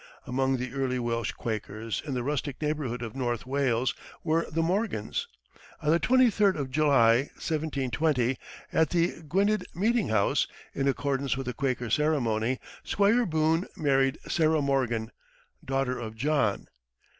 Among the early Welsh Quakers in the rustic neighborhood of North Wales were the Morgans. On the twenty third of July, 1720, at the Gwynedd meeting house, in accordance with the Quaker ceremony, Squire Boone married Sarah Morgan, daughter of John.